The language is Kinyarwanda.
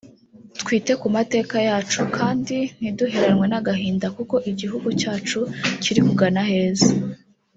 twite ku mateka yacu kandi ntiduheranwe n’agahinda kuko igihugu cyacu kiri kugana aheza”